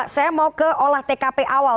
saya mau ke olah tkp awal